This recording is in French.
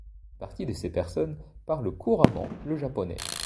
Une partie de ces personnes parlent couramment le japonais.